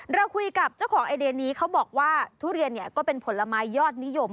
เราคุยกับเจ้าของไอเดียนี้เขาบอกว่าทุเรียนเนี่ยก็เป็นผลไม้ยอดนิยม